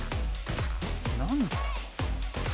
何だ？